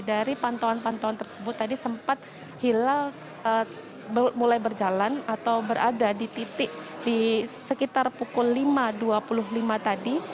dari pantauan pantauan tersebut tadi sempat hilal mulai berjalan atau berada di titik di sekitar pukul lima dua puluh lima tadi